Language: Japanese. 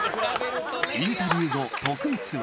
インタビュー後、徳光は。